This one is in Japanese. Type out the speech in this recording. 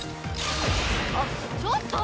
あっちょっと！